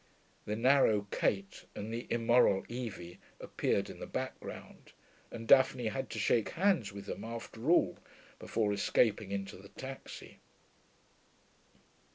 The narrow Kate and the immoral Evie appeared in the background, and Daphne had to shake hands with them after all before escaping into the taxi.